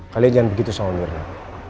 kalian jangan begitu sama birna